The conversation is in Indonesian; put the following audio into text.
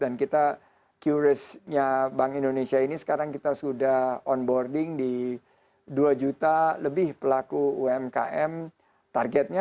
dan kita qris nya bank indonesia ini sekarang kita sudah onboarding di dua juta lebih pelaku umkm targetnya